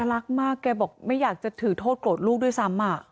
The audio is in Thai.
รักมากแกบอกไม่อยากจะถือโทษโกรธลูกด้วยซ้ำ